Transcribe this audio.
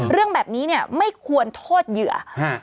เรื่องแบบนี้เนี่ยไม่ควรโทษเหยื่อ